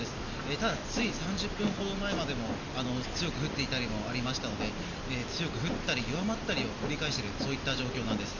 ただつい３０分ほど前まで強く降っていたこともありましたので強く降ったり弱まったりを繰り返しているそういった状況なんです。